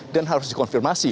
dan harus dikonfirmasi